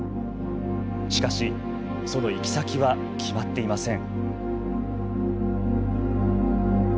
しかし、その行き先は決まっていません。